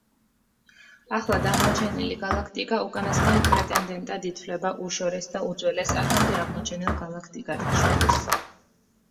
ახლად აღმოჩენილი გალაქტიკა უკანასკნელ პრეტენდენტად ითვლება უშორეს და უძველეს აქამდე აღმოჩენილ გალაქტიკათა შორის.